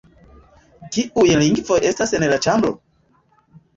Kiuj lingvoj estas en la ĉambro?